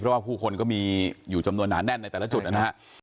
เพราะว่าผู้คนก็มีอยู่จำนวนหนาแน่นในแต่ละจุดนะฮะ